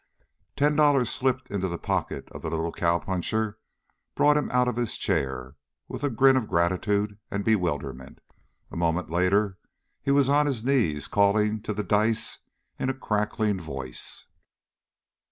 Ten dollars slipped into the pocket of the little cowpuncher brought him out of his chair, with a grin of gratitude and bewilderment. A moment later he was on his knees calling to the dice in a cackling voice.